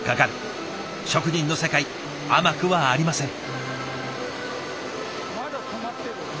職人の世界甘くはありません。